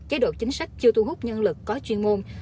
chế độ chính sách chưa thu hút nhân lực có chuyên môn